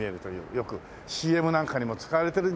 よくＣＭなんかにも使われてるんじゃないですか？